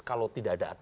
kalau tidak ada aturan